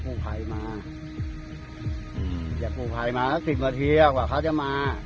ตัวทางมาจากกูพายมาจักรพี่มาแล้วสิบมันแทยแล้วกว่าเขาจะมา